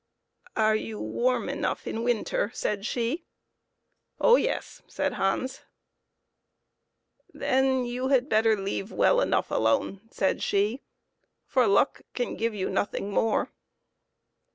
" Are you warm enough in winter ?" said she. " Oh yes !" said Hans. " Then you had better leave well enough alone," said she, " for luck can give you nothing more."